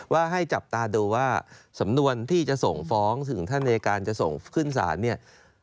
ว่าให้จับตาดูว่าสำนวนที่จะส่งฟ้องถึงท่านอายการจะส่งขึ้นศาลเนี่ย